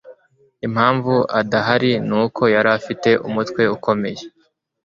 impamvu adahari ni uko yari afite umutwe ukomeye